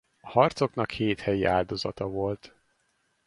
A harcoknak hét helyi áldozata volt.